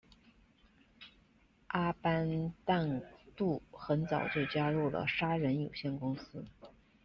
阿班旦杜很早就加入了杀人有限公司。